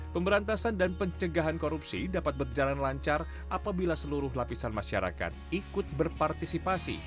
pemberantasan dan pencegahan korupsi dapat berjalan lancar apabila seluruh lapisan masyarakat ikut berpartisipasi